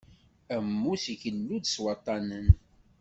Ammus igellu-d s waṭṭanen.